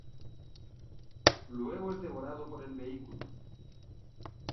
Luego es devorado por el vehículo.